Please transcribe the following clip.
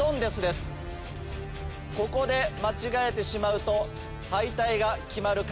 ここで間違えてしまうと。